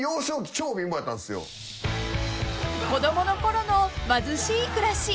［子供の頃の貧しい暮らし］